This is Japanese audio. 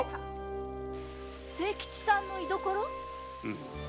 清吉さんの居どころ！？